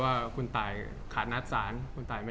จากความไม่เข้าจันทร์ของผู้ใหญ่ของพ่อกับแม่